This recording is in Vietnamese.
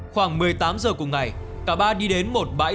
khoảng một mươi tám giờ cùng ngày cả ba đi đến một bãi